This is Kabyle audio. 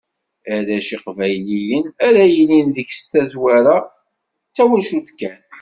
Arrac Iqbayliyen ara yilin deg-s tazwara, d twacult kan.